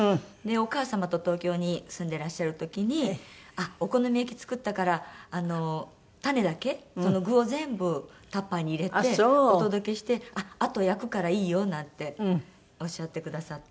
お母様と東京に住んでらっしゃる時にお好み焼き作ったからタネだけその具を全部タッパーに入れてお届けして「あと焼くからいいよ」なんておっしゃってくださって。